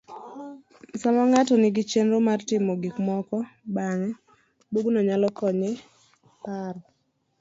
Sama ng'ato nigi chenro mar timo gikmoko bang`e,bugno nyalo konye paro.